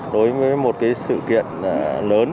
đối với một cái sự kiện lớn